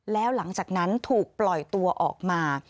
แล้วหลังจากนั้นถูกปล่อยตัวออกมา